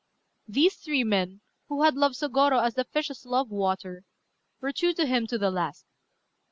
These three men, who had loved Sôgorô as the fishes love water, were true to him to the last.